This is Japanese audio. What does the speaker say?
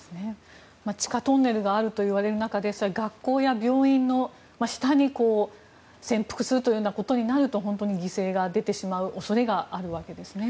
地下トンネルがあるといわれる中で学校や病院の下に潜伏するということになると本当に犠牲が出てしまう恐れがあるわけですね。